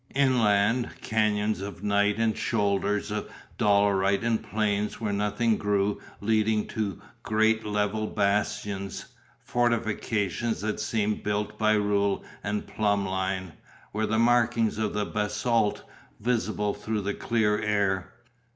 Inland, cañons of night and shoulders of dolerite and plains where nothing grew leading to great level bastions, fortifications that seemed built by rule and plumb line, with the markings of the basalt visible through the clear air.